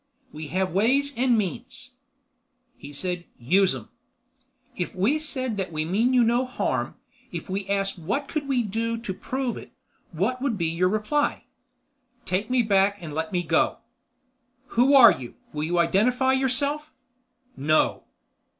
"We have ways and means." He said, "Use 'em." "If we said that we mean no harm; if we asked what we could do to prove it, what would be your reply?" "Take me back and let me go." "Who are you? Will you identify yourself?" "No."